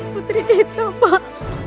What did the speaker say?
putri kita pak